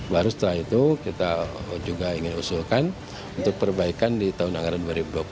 baru setelah itu kita juga ingin usulkan untuk perbaikan di tahun anggaran dua ribu dua puluh